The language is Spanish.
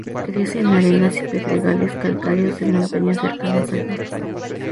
Crece en arenas y pedregales calcáreos de montañas cercanas al mar.